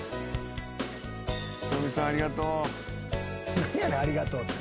何やねん「ありがとう」って。